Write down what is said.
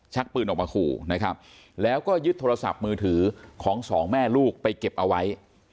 ปืนออกมาขู่นะครับแล้วก็ยึดโทรศัพท์มือถือของสองแม่ลูกไปเก็บเอาไว้